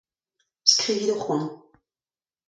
Skrivit ho c'hoant.